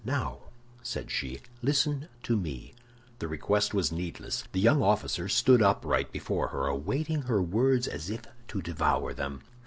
"Now," said she, "listen to me." The request was needless. The young officer stood upright before her, awaiting her words as if to devour them.